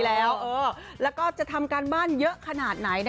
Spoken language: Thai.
แล้วก็จะทำการบ้านเยอะขนาดไหน